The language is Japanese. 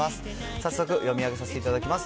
早速、読み上げさせていただきます。